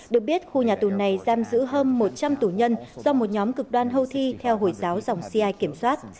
được biết khu nhà tù này giam giữ hơn một trăm linh tù nhân do một nhóm cực đoan hầu thi theo hội giáo dòng cia kiểm soát